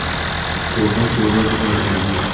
توبه، توبه، دومره ټګې!